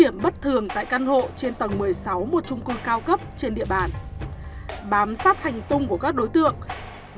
một thường tại căn hộ trên tầng một mươi sáu một trung cung cao cấp trên địa bàn bám sát hành tung của các đối tượng